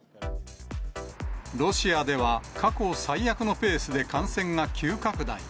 ロシアでは、過去最悪のペースで感染が急拡大。